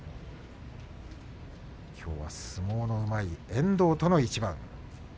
きょうは相撲のうまい遠藤との一番。